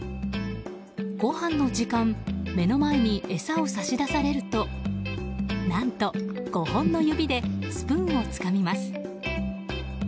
ごはんの時間目の前に餌を差し出されると何と、５本の指でスプーンをつかみます。